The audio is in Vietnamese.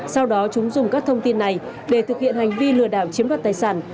sau đó chúng dùng các thông tin này để thực hiện hành vi lừa đảo chiếm đoạt tài sản